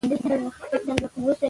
دا لاره تل د تګ راتګ لپاره خلاصه وي.